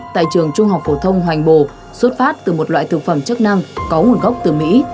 tại trường trung học phổ thông hoành bồ xuất phát từ một loại thực phẩm chức năng có nguồn gốc từ mỹ